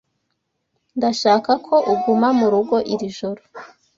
Ndashaka ko uguma murugo iri joro.